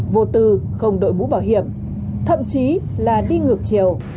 vô tư không đội mũ bảo hiểm thậm chí là đi ngược chiều